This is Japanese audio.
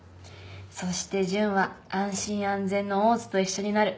そして純は安心安全の大津と一緒になる。